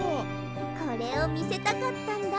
これをみせたかったんだ！